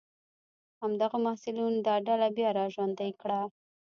همدغو محصلینو دا ډله بیا را ژوندۍ کړه.